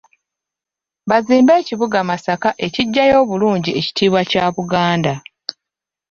Bazimbe ekibuga Masaka ekiggyayo obulungi ekitiibwa kya Buganda.